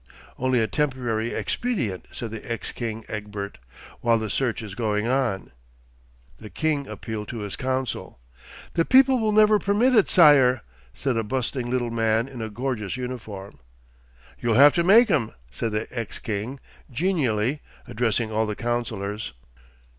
'Only a temporary expedient,' said the ex king Egbert, 'while the search is going on.' The king appealed to his council. 'The people will never permit it, sire,' said a bustling little man in a gorgeous uniform. 'You'll have to make 'em,' said the ex king, genially addressing all the councillors.